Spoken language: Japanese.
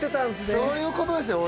そういうことですよ